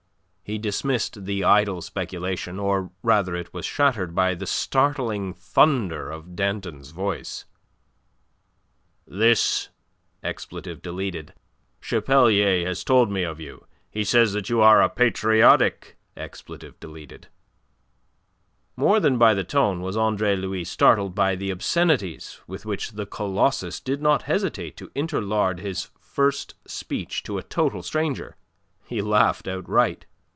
He dismissed the idle speculation, or rather it was shattered by the startling thunder of Danton's voice. "This Chapelier has told me of you. He says that you are a patriotic ." More than by the tone was Andre Louis startled by the obscenities with which the Colossus did not hesitate to interlard his first speech to a total stranger. He laughed outright.